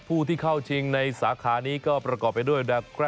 ผู้ที่เข้าชิงในสาขานี้ก็ประกอบไปด้วยดาแคร่